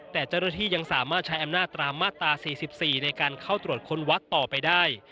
แต่เจ้าหน้าที่ยังสามารถใช้อำนาจตามมาตรา๔๔ในการเข้าตรวจค้นวัดต่อไปได้